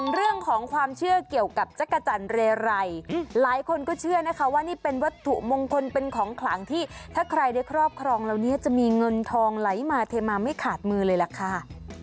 เรื่องของความเชื่อเกี่ยวกับจักรจันทร์เรไรหลายคนก็เชื่อนะคะว่านี่เป็นวัตถุมงคลเป็นของขลังที่ถ้าใครได้ครอบครองเหล่านี้จะมีเงินทองไหลมาเทมาไม่ขาดมือเลยล่ะค่ะ